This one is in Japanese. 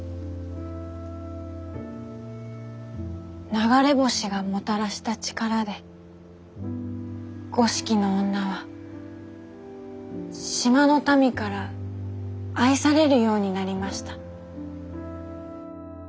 流れ星がもたらした力で五色の女は島の民から愛されるようになりました。